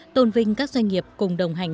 tôn vinh các doanh nghiệp cùng đồng hành